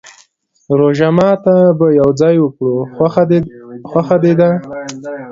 روژه ماته به يو ځای وکرو، خوښه دې ده؟